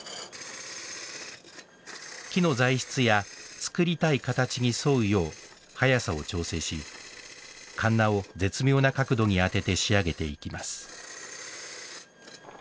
木の材質や作りたい形に沿うよう速さを調整しかんなを絶妙な角度に当てて仕上げていきます